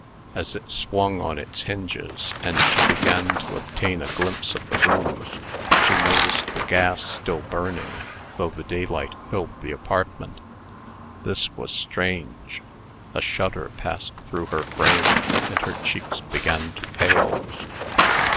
As it swung on its hinges, and she began to obtain a glimpse of the room, she noticed the gas still burning, though the daylight filled the apartment. This was strange. A shudder passed through her frame, and her cheeks began to pale.